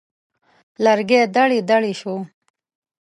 لرګی دړې دړې شو.